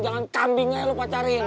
jangan kambing aja lo pacarin